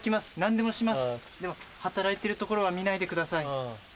でも働いてるところは見ないでください。